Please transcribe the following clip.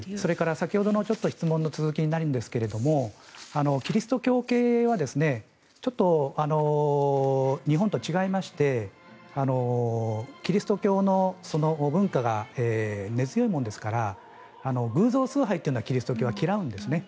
先ほどの質問の続きになるんですがキリスト教系はちょっと日本と違いましてキリスト教の文化が根強いものですから偶像崇拝というのはキリスト教は嫌うんですね。